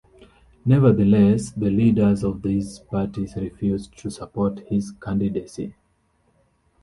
Nevertheless, the leaders of these parties refused to support his candidacy.